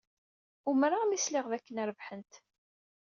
Umreɣ mi sliɣ dakken rebḥent.